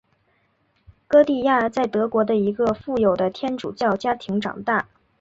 歌地亚在德国的一个富有的天主教家庭长大。